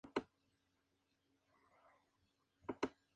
En el techo hay dos buhardillas.